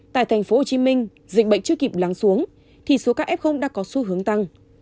tại tp hcm dịch bệnh chưa kịp lắng xuống thì số ca ép không đã có xu hướng tăng